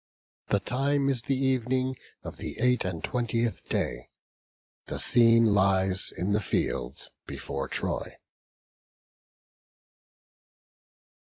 The time is the evening of the eight and twentieth day. The scene lies in the fields before Troy.